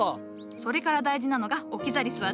それから大事なのがオキザリスはな。